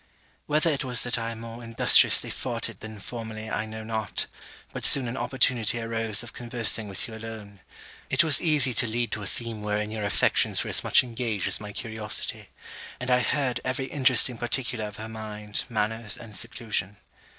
Whether it was that I more industriously fought it than formerly, I know not, but soon an opportunity arose of conversing with you alone. It was easy to lead to a theme wherein your affections were as much engaged as my curiosity; and I heard every interesting particular of her mind, manners, and seclusion.